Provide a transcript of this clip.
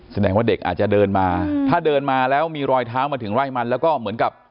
แสดงว่าเด็กอาจจะเดินมาถ้าเดินมาแล้วมีรอยเท้ามาถึงไร่มันแล้วก็เหมือนกับ